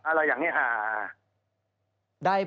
อะไรอย่างนี้ค่ะ